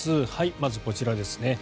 まず、こちらですね。